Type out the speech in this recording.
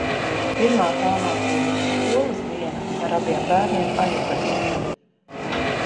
Pirmā tālmācības skolas diena ar abiem bērniem aizvadīta.